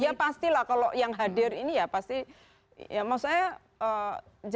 ya pastilah kalau yang hadir ini ya pasti ya maksud saya